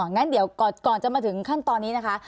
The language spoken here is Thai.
งั้นเดี๋ยวก่อนจะมาถึงขั้นตอนนี้นะคะ